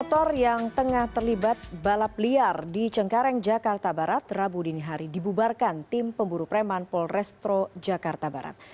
motor yang tengah terlibat balap liar di cengkareng jakarta barat rabu dini hari dibubarkan tim pemburu preman polrestro jakarta barat